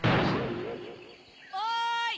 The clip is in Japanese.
おい！